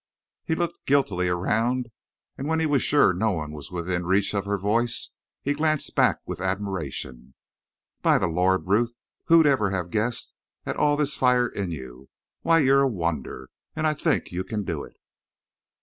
He looked guiltily around, and when he was sure no one was within reach of her voice, he glanced back with admiration. "By the Lord, Ruth, who'd ever have guessed at all this fire in you? Why, you're a wonder. And I think you can do it.